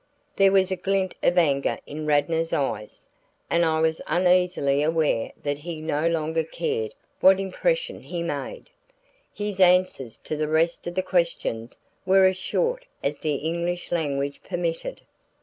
There was a glint of anger in Radnor's eyes; and I was uneasily aware that he no longer cared what impression he made. His answers to the rest of the questions were as short as the English language permitted.